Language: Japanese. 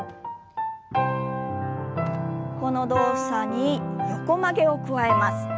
この動作に横曲げを加えます。